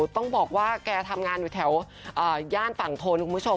ต้องบอกว่าแกทำงานอยู่แถวย่านฝั่งทนคุณผู้ชม